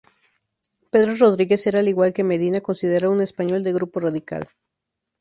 Pedro Rodríguez era al igual que Medina, considerado "un español del grupo radical".